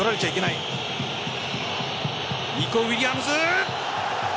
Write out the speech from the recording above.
ニコウィリアムズ。